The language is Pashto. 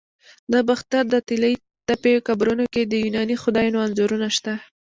د باختر د طلایی تپې قبرونو کې د یوناني خدایانو انځورونه شته